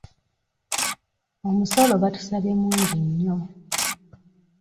Omusolo batusabye mungi nnyo.